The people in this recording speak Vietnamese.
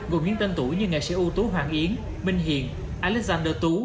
gồm những tên tuổi như nghệ sĩ ưu tú hoàng yến minh hiền alexander tú